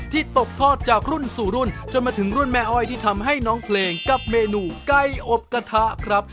ตกทอดจากรุ่นสู่รุ่นจนมาถึงรุ่นแม่อ้อยที่ทำให้น้องเพลงกับเมนูไก่อบกระทะครับ